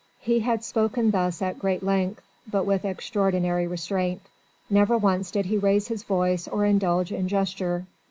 He had spoken thus at great length, but with extraordinary restraint. Never once did he raise his voice or indulge in gesture.